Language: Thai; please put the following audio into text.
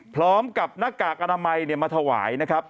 พร้อมกับหน้ากากอนามัยมาถวายนะครับ